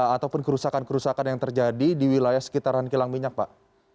ataupun kerusakan kerusakan yang terjadi di wilayah sekitaran kilang minyak pak